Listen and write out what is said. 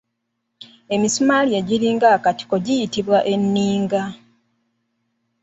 Emisumaali egiringa akatiko giyitibwa Enninga.